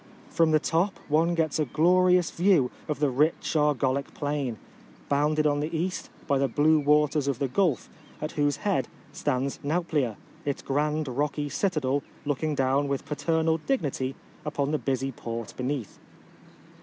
From the top one gets a glorious view of the rich Argolic plain, bounded on the east by the blue waters of the Gulf, at whose head stands Nanplia, its grand rocky citadel looking down with paternal dignity upon the busy port beneath.